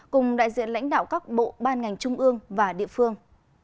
cùng đại diện lãnh đạo các bộ ban ngành trung ương và địa phương